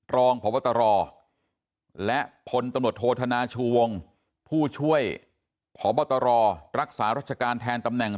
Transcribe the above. รองพบตรและพลตำรวจโทษธนาชูวงผู้ช่วยพบตรรักษารัชการแทนตำแหน่ง